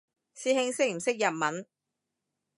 師兄識唔識日文？